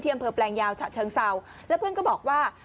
อำเภอแปลงยาวฉะเชิงเศร้าแล้วเพื่อนก็บอกว่า